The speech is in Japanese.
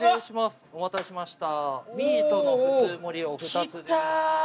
はいお待たせしました